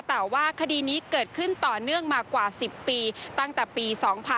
แต่ว่าคดีนี้เกิดขึ้นต่อเนื่องมากว่า๑๐ปีตั้งแต่ปี๒๕๕๘